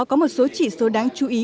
có một số chỉ số đáng chú ý